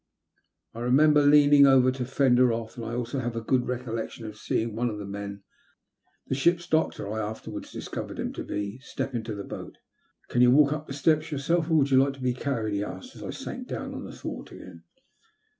I remember leaning over to fend her ofif, and I also have a good recollec tion of seeing one of the men — the ship's doctor I afterwards discovered him to be — step into the boat. Can you walk up the steps yourself, or would you like to be carried? " he asked, as I sank down on the thwart again.